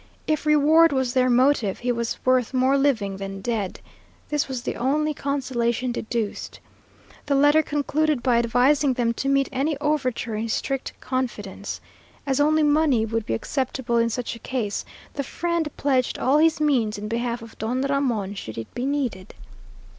If reward was their motive, he was worth more living than dead. This was the only consolation deduced. The letter concluded by advising them to meet any overture in strict confidence. As only money would be acceptable in such a case, the friend pledged all his means in behalf of Don Ramon should it be needed.